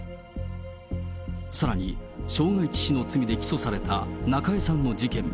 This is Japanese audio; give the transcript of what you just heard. さらに、傷害致死の罪で起訴された中江さんの事件。